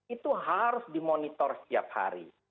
itu harus dimonitor setiap hari